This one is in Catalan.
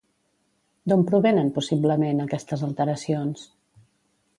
D'on provenen, possiblement, aquestes alteracions?